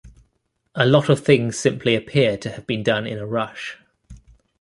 A lot of things simply appear to have been done in a rush.